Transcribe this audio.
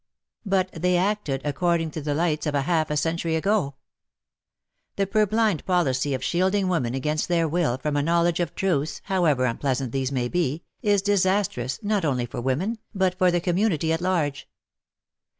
But they acted according to the lights of half a century ago. The purblind policy of shielding women against their will from a knowledge of truths, however unpleasant these may be, is disastrous not only for women, but for the community at large.